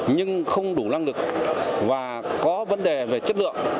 nhưng không đủ năng lực và có vấn đề về chất lượng